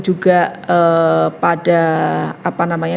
juga pada apa namanya